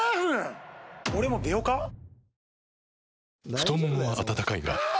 太ももは温かいがあ！